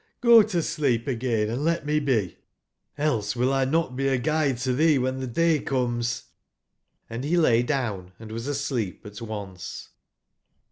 Go to sleep again, and let me be, else will X not be a guide to thee when the day comes." Hnd he lay down and was asleep at once.